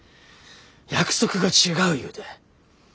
約束が違う言うて。